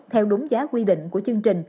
theo đúng giá quy định của chương trình